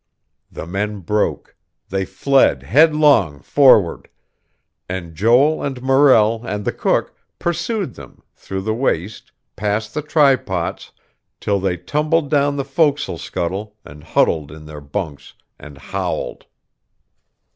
The men broke; they fled headlong, forward; and Joel and Morrell and the cook pursued them, through the waist, past the trypots, till they tumbled down the fo'c's'le scuttle and huddled in their bunks and howled....